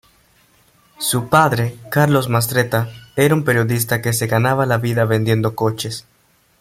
Su padre, Carlos Mastretta, era un periodista que se ganaba la vida vendiendo coches.